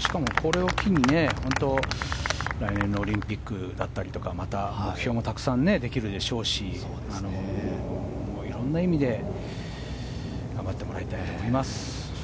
しかも、これを機に来年のオリンピックだったりまた目標もたくさんできるでしょうしいろんな意味で頑張ってもらいたいと思います。